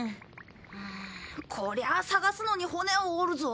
こりゃあ探すのに骨を折るぞ。